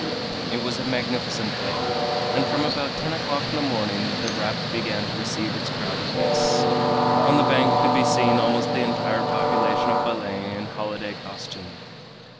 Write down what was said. It was a magnificent day, and from about ten o'clock in the morning the raft began to receive its crowd of guests. On the bank could be seen almost the entire population of Belem in holiday costume.